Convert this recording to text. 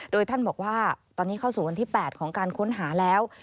โดยท่านบอกว่าตอนนี้เข้าสู่วันที่๘ของการค้นหาแล้ว